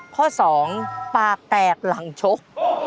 ข้อ๒ปากแตกหลังชก